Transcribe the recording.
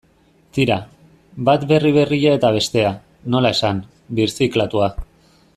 Tira, bat berri berria eta bestea, nola esan, birziklatua.